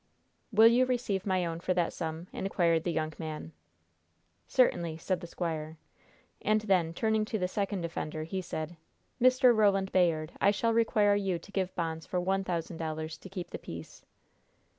"Will you receive my own for that sum, sir?" inquired the young man. "Certainly," said the squire. And then, turning to the second offender, he said: "Mr. Roland Bayard, I shall require you to give bonds for one thousand dollars to keep the peace."